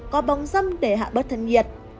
có bóng dâm để hạ bớt thân nhiệt